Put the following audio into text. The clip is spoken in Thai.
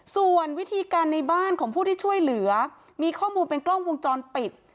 ส่วนวิธีการในบ้านของผู้ที่ช่วยเหลือมีข้อมูลเป็นกล้องวงจรปิด